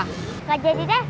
nggak jadi deh